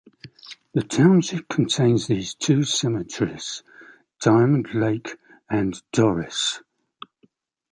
The township contains these two cemeteries: Diamond Lake and Dorris.